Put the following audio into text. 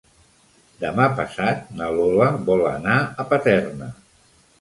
Demà passat na Lola vol anar a Paterna.